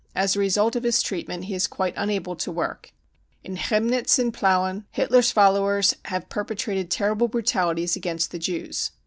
As a result of his treatment he is quite unable to work. In Chemnitz and Plauen, Hitler's followers have perpetrated terrible brutalities against the Jews.